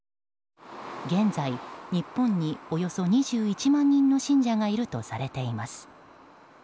現在、日本におよそ２１万人の信者がいるとされています。